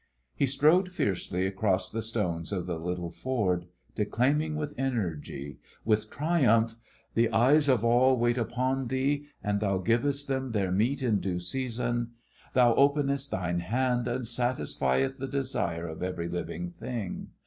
He strode fiercely across the stones of the little ford, declaiming with energy, with triumph: "'The eyes of all wait upon Thee, and Thou givest them their meat in due season. "'Thou openest Thine hand, and satisfieth the desire of every living thing.